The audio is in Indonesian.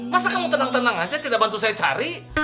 masa kamu tenang tenang aja tidak bantu saya cari